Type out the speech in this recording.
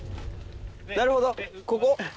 なるほどここ？